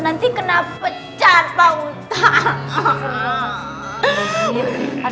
nanti kena pecah pak ustaz